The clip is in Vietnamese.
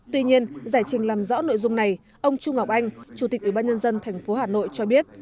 tuy nhiên giải trình làm rõ nội dung này ông trung ngọc anh chủ tịch ủy ban nhân dân thành phố hà nội cho biết